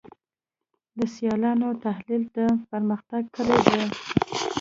د سیالانو تحلیل د پرمختګ کلي ده.